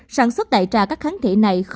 sản xuất đại trà các kháng thể này